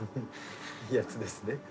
いいやつですね。